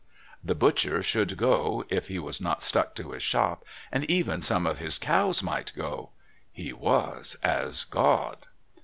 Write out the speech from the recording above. The butcher should go (if he was not stuck to his shop), and even some of his cows might go.... He was as God...